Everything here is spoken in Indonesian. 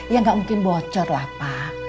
ya nggak mungkin bocor lah pak